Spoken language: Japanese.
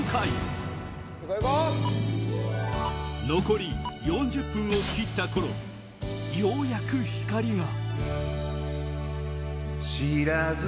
残り４０分を切った頃ようやく光が！